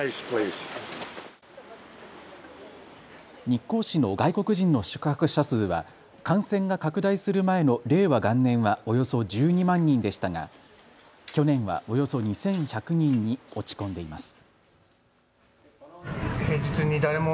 日光市の外国人の宿泊者数は感染が拡大する前の令和元年はおよそ１２万人でしたが去年はおよそ２１００人に落ち込んでいます。